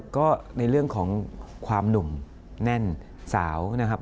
ก็ในเรื่องของความหนุ่มแน่นสาวนะครับ